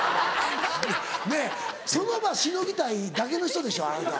ねぇその場しのぎたいだけの人でしょあなた。